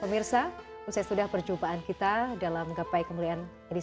pemirsa usai sudah perjumpaan kita dalam gapai kemuliaan edisi hari ini